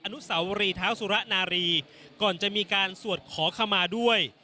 นุสาวรีเท้าสุระนารีก่อนจะมีการสวดขอขมาด้วย